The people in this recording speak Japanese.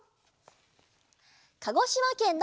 かごしまけんのなが